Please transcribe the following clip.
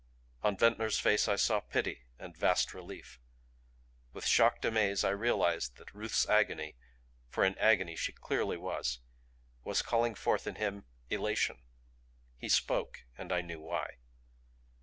On Ventnor's face I saw pity and a vast relief. With shocked amaze I realized that Ruth's agony for in agony she clearly was was calling forth in him elation. He spoke and I knew why.